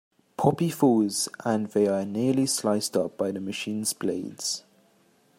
Poppy falls and they are nearly sliced up by the machine's blades.